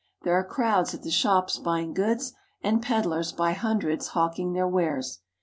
There are crowds at the shops buying goods, and peddlers by hundreds hawking their wares.